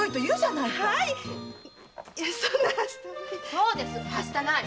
そうですはしたない！